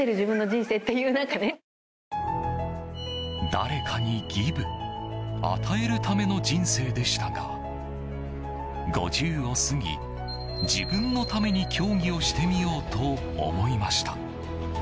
誰かにギブ与えるための人生でしたが５０を過ぎ、自分のために競技をしてみようと思いました。